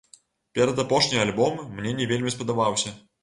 Перадапошні альбом мне не вельмі спадабаўся.